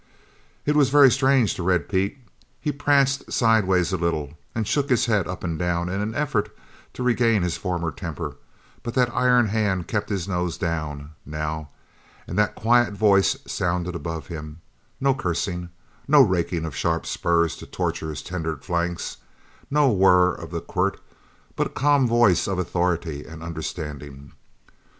It was very strange to Red Pete. He pranced sideways a little and shook his head up and down in an effort to regain his former temper, but that iron hand kept his nose down, now, and that quiet voice sounded above him no cursing, no raking of sharp spurs to torture his tender flanks, no whir of the quirt, but a calm voice of authority and understanding.